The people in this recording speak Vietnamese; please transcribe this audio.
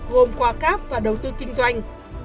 gồm qua cáp và đầu tư kinh doanh